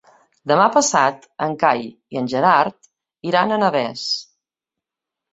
Demà passat en Cai i en Gerard iran a Navès.